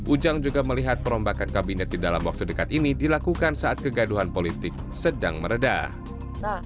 ujang juga melihat perombakan kabinet di dalam waktu dekat ini dilakukan saat kegaduhan politik sedang meredah